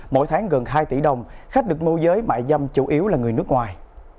mỗi tháng gần hai tỷ đồng khách được mô giới mại dâm chủ yếu là người nước ngoài